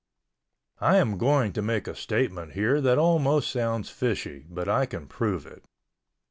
I am going to make a statement here that almost sounds fishy, but I can prove it.